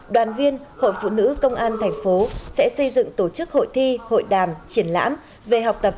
đoàn viên hội phụ nữ công an thành phố sẽ xây dựng tổ chức hội thi hội đàm triển lãm về học tập